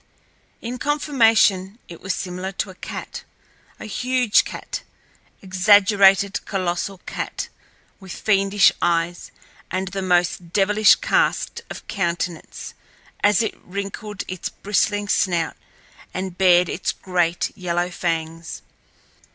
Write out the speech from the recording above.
In conformation it was similar to a cat—a huge cat, exaggerated colossal cat, with fiendish eyes and the most devilish cast of countenance, as it wrinkled its bristling snout and bared its great yellow fangs.